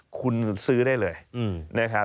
คุณซื้อได้เลยนะครับ